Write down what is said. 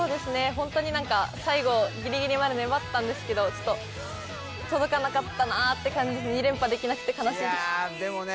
ホントに何か最後ギリギリまで粘ったんですけどちょっと届かなかったなって感じで２連覇できなくて悲しいですでもね